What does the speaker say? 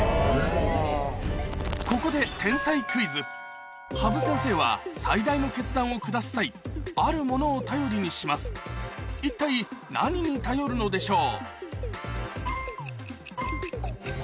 ここで羽生先生は最大の決断を下す際あるものを頼りにします一体何に頼るのでしょう？